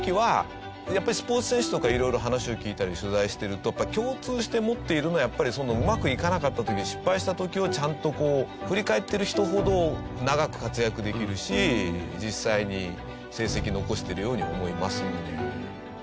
スポーツ選手とかいろいろ話を聞いたり取材してると共通して持っているのはやっぱりうまくいかなかった時失敗した時をちゃんと振り返ってる人ほど長く活躍できるし実際に成績残してるように思いますよね。